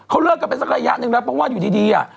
เขาเลิกกันไปสักระยะหนึ่งแล้วเพราะว่าอยู่ดี